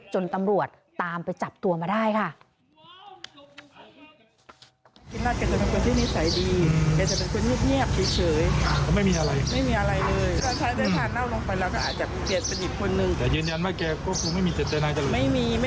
จนตำรวจตามไปจับตัวมาได้ค่ะ